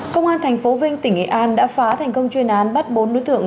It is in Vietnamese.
công an thành phố vinh tỉnh nghệ an đã phá thành công chuyên án bắt bốn đối tượng